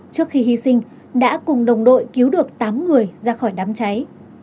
trước khi hy sinh đã cùng đồng đội cứu được tám người ra khỏi đám cháy